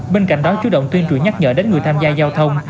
bên cạnh đó chủ động tuyên trụ nhắc nhở đến người tham gia giao thông